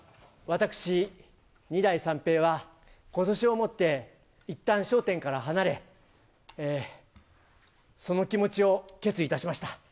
私、二代三平は、ことしをもって、いったん笑点から離れ、その気持ちを決意いたしました。